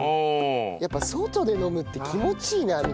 やっぱ外で飲むって気持ちいいなみたいな。